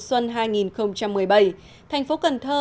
xuân hai nghìn một mươi bảy thành phố cần thơ